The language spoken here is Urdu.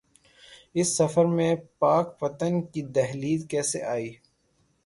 اس سفر میں پاک پتن کی دہلیز کیسے آئی؟